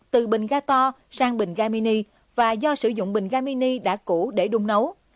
từ bình ga to sang bình ga mini và do sử dụng bình ga mini đã cũ để đung nấu